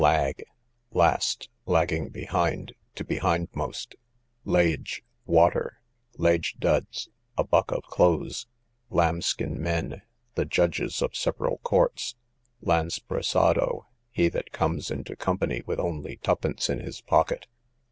Lag, last; lagging behind, to be hindmost. Lage, water. Lage duds, a buck of clothes. Lambskin men, the judges of several courts. Lansprisado, he that comes into company with only two pence in his pocket.